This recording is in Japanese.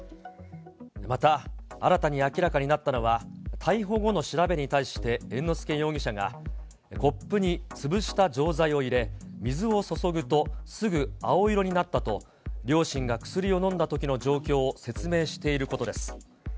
また、新たに明らかになったのは、逮捕後の調べに対して猿之助容疑者が、コップに潰した錠剤を入れ、水を注ぐとすぐ青色になったと、両親が薬を飲んだときの状況を説明していることです。